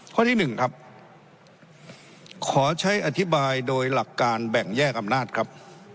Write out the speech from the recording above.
ข้อที่๑ครับขอใช้อธิบายโดยหลักการแบ่งแยกอำนาจครับ